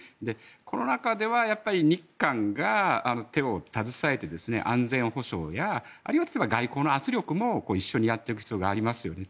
この中では日韓が手を携えて安全保障やあるいは例えば、外交の圧力を一緒にやっていく必要がありますよね。